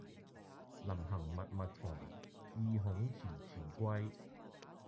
臨行密密縫，意恐遲遲歸。